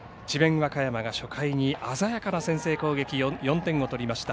和歌山が初回に鮮やかな先制攻撃、４点を取りました。